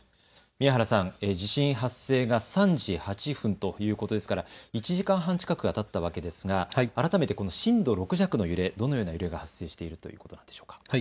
宮原さん、地震発生が３８分ということですから１時間半近くがたったわけですが震度６弱の揺れ、どのような揺れが発生しているんでしょうか。